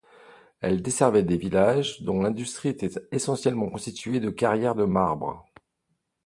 Elle desservait des villages dont l'industrie était essentiellement constituée de carrières de marbre.